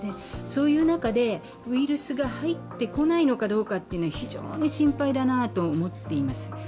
そういう中でウイルスが入ってこないのかどうかというのは非常に心配だなと思っています。